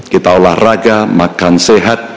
kita olahraga makan sehat